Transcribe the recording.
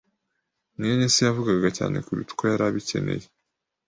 mwene se yavugaga cyane kuruta uko yari abikeneye.